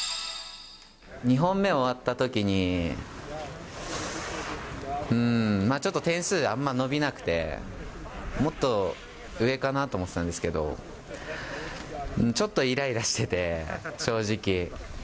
２本目終わったときに、ちょっと点数があんま伸びなくて、もっと上かなと思ってたんですけど、ちょっといらいらしてて、正直。